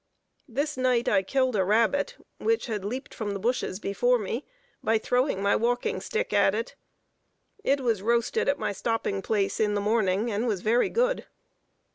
This night I killed a rabbit, which had leaped from the bushes before me, by throwing my walking stick at it. It was roasted at my stopping place in the morning, and was very good.